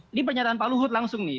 ini pernyataan pak luhut langsung nih